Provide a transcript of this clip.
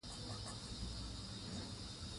افغانستان د سیلانی ځایونه په برخه کې نړیوال شهرت لري.